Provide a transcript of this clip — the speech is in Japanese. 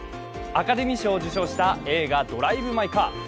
アカデミー賞を受章した映画「ドライブ・マイ・カー」。